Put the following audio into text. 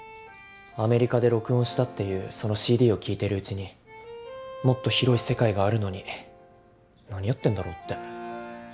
アメリカで録音したっていうそのＣＤを聴いてるうちにもっと広い世界があるのに何やってんだろって。